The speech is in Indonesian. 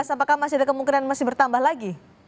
apakah masih ada kemungkinan masih bertambah lagi